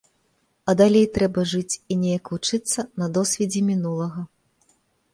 А далей трэба жыць і неяк вучыцца на досведзе мінулага.